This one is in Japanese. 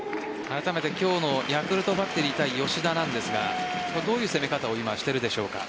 あらためて今日のヤクルトバッテリー対吉田なんですがどういう攻め方をしていますか？